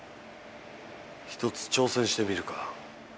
ひとつ挑戦してみるか。